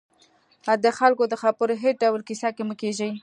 د خلکو د خبرو هېڅ ډول کیسه کې مه کېږئ